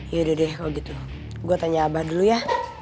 yaudah deh kalau gitu gua tanya abah dulu ya